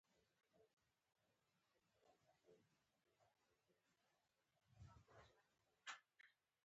استاد د صداقت ښکارندوی دی.